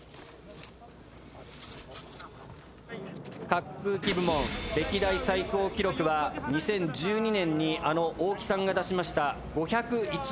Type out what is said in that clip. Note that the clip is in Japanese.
滑空機部門歴代最高記録は２０１２年にあの大木さんが出しました５０１．３８ｍです。